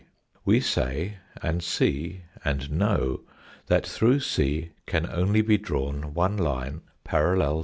We say and see and know that through c ^ Q can only be drawn one line parallel i'ig.